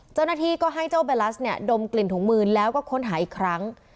เจ้าหน้าที่ก็ให้เจ้าเบลัสเนี่ยดมกลิ่นถุงมือแล้วก็ค้นหาอีกครั้ง